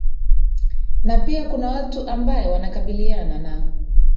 na pia kuna watu ambae wanakabiliana na